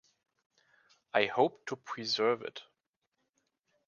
I hope to preserve it.